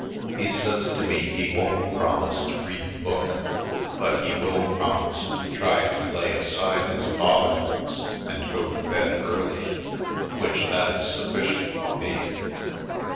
He says to me he won't promise to read the book, but he will promise to try to lay aside his botherments and go to bed early, which that is sufficient for me.